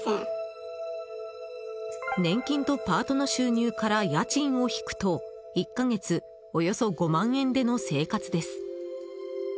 年金とパートの収入から家賃を引くと１か月およそ５万円での生活です。